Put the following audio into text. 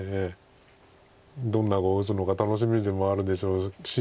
どんな碁を打つのか楽しみでもあるでしょうし。